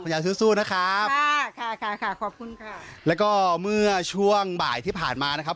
อย่าสู้สู้นะครับค่ะค่ะขอบคุณค่ะแล้วก็เมื่อช่วงบ่ายที่ผ่านมานะครับ